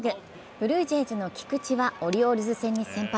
ブルージェイズの菊池はオリオールズ戦に先発。